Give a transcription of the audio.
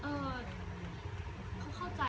เขาเข้าใจ